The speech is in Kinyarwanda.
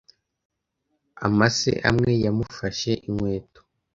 Amase amwe yamufashe inkweto.